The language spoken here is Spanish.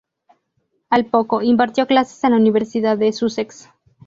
Al poco impartió clases en la Universidad de Sussex.